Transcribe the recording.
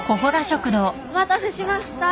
お待たせしました。